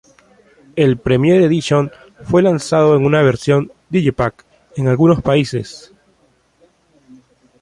El "Premiere Edition" fue lanzado en una versión digipack en algunos países.